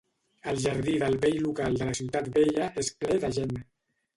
El jardí del vell local de la Ciutat Vella és ple de gent.